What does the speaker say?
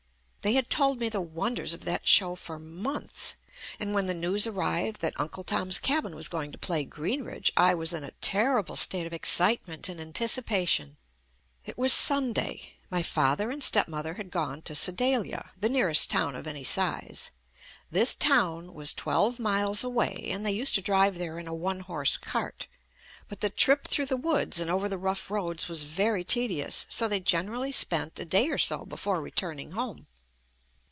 They had told me the wonders of that show for months, and when the news arrived that "Uncle Tom's Cabin" was going to play Greenridge, I was in a terrible state of excitement and anticipa JUST ME tion. It was Sunday, My father and step mother had gone to Sedalia, the nearest town of any size. This town was twelve miles away and they used to drive there in a one horse cart, but the trip through the woods and over the rough roads was very tedious, so they gen erally spent a day or so before returning home.